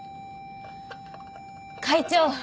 会長。